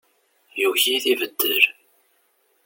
Yugi ad ibeddel.